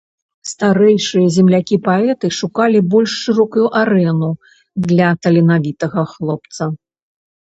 Старэйшыя землякі-паэты шукалі больш шырокую арэну для таленавітага хлопца.